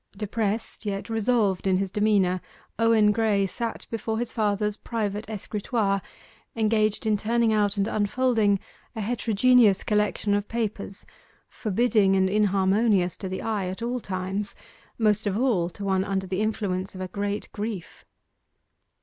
Depressed, yet resolved in his demeanour, Owen Graye sat before his father's private escritoire, engaged in turning out and unfolding a heterogeneous collection of papers forbidding and inharmonious to the eye at all times most of all to one under the influence of a great grief.